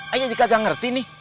ayah jika gak ngerti nih